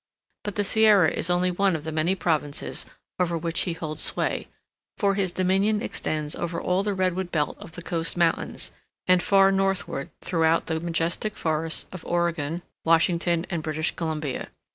But the Sierra is only one of the many provinces over which he holds sway, for his dominion extends over all the Redwood Belt of the Coast Mountains, and far northward throughout the majestic forests of Oregon, Washington, and British Columbia.